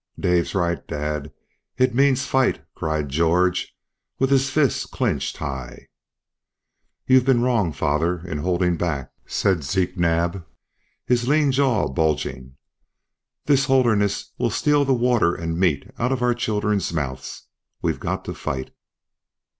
"Dave's right, dad, it means fight," cried George, with his fist clinched high. "You've been wrong, father, in holding back," said Zeke Naab, his lean jaw bulging. "This Holderness will steal the water and meat out of our children's mouths. We've got to fight!"